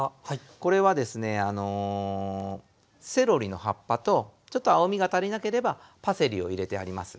これはですねあのセロリの葉っぱとちょっと青みが足りなければパセリを入れてあります。